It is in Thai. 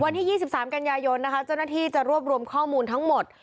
วันที่๒๓กันยายนนะคะเจ้าหน้าที่จะรวบรวมข้อมูลทั้งหมด